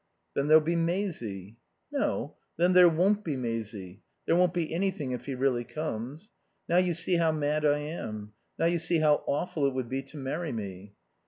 "Then there'll be Maisie." "No, then there won't be Maisie. There won't be anything if he really comes...Now you see how mad I am. Now you see how awful it would be to marry me."